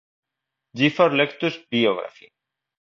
Gifford Lectures biography